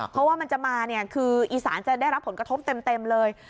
เพราะว่ามันจะมาเนี่ยคืออีสานจะได้รับผลกระทบเต็มเลย